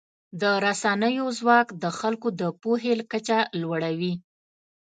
د رسنیو ځواک د خلکو د پوهې کچه لوړوي.